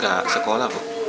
nggak sekolah pak